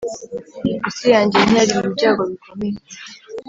isi yanjye ntiyari mu byago bikomeye,